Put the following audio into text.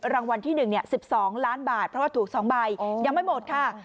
รางวัลที่๑๑๒ล้านบาทเพราะว่าถูก๒ใบยังไม่หมดค่ะ